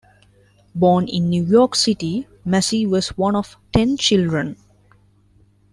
Born in New York City, Massey was one of ten children.